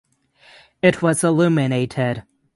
It was illuminated.